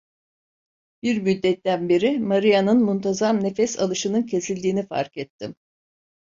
Bir müddetten beri Maria'nın muntazam nefes alışının kesildiğini fark ettim.